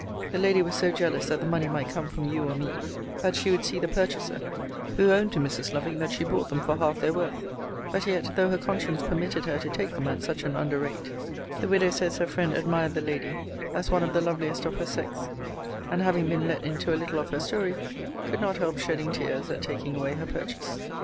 The lady was so jealous that the money might come from you or me, that she would see the purchaser: who owned to Mrs. Lovick that she bought them for half their worth: but yet, though her conscience permitted her to take them at such an under rate, the widow says her friend admired the lady, as one of the loveliest of her sex: and having been let into a little of her story, could not help shedding tears at taking away her purchase.